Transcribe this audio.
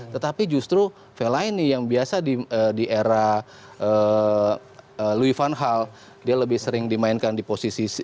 tetapi justru fellaini yang biasa di era louis van gaal dia lebih sering dimainkan di posisi tengah sini